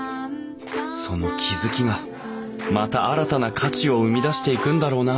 その気付きがまた新たな価値を生み出していくんだろうなあ